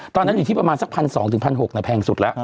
ตอนนั้นอยู่ที่ประมาณสัก๑๒๐๐๑๖๐๐แพงสุดแล้ว